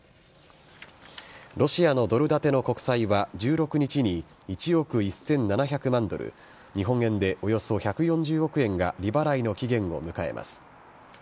ロシアのドル建ての国債は、１６日に１億１７００万ドル、日本円でおよそ１４０億円が利払いの期限を迎えます。